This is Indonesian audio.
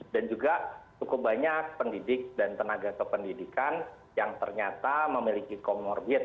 dan juga cukup banyak pendidik dan tenaga kependidikan yang ternyata memiliki komorbid